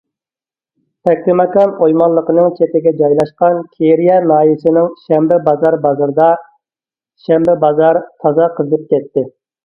تەكلىماكان ئويمانلىقىنىڭ چېتىگە جايلاشقان كېرىيە ناھىيەسىنىڭ شەنبەبازار بازىرىدا« شەنبە بازار» تازا قىزىپ كەتتى.